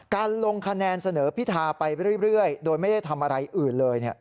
ลงคะแนนเสนอพิธาไปเรื่อยโดยไม่ได้ทำอะไรอื่นเลย